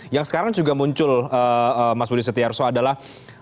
yang sekarang juga muncul mas budi setiarso adalah